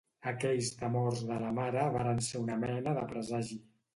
Aquells temors de la mare varen ser una mena de presagi.